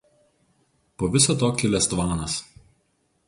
Po viso to kilęs tvanas.